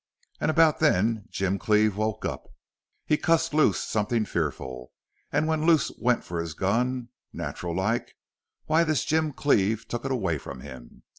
An' about then Jim Cleve woke up. He cussed Luce somethin' fearful. An' when Luce went for his gun, natural like, why this Jim Cleve took it away from him.